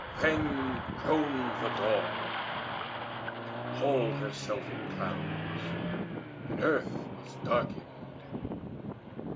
Then groaned the Dawn, and palled herself in clouds, And earth was darkened.